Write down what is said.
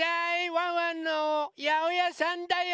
ワンワンのやおやさんだよ。